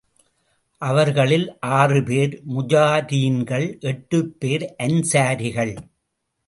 அவர்களில் ஆறு பேர் முஹாஜிரீன்கள், எட்டுப் பேர் அன்சாரிகள்.